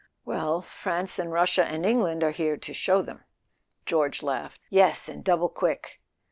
"Well, France and Russia and England are here to show them." George laughed. "Yes, and double quick."